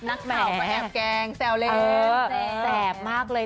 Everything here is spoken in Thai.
นักข่าวแบบแกงแซวเล่น